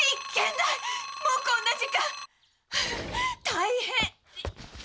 大変！